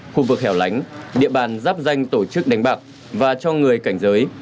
khu vực hẻo lánh địa bàn giáp danh tổ chức đánh bạc và cho người cảnh giới